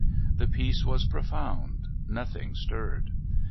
The peace was profound nothing stirred.